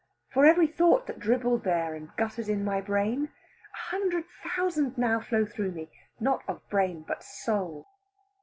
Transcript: For every thought that dribbled there and guttered in my brain, a hundred thousand now flow through me, not of brain, but soul.